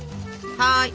はい。